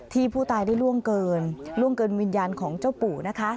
ที่ผู้ตายได้ล่วงเกินล่วงเกินวิญญาณของเจ้าปู่นะคะ